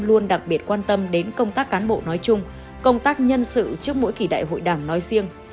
luôn đặc biệt quan tâm đến công tác cán bộ nói chung công tác nhân sự trước mỗi kỳ đại hội đảng nói riêng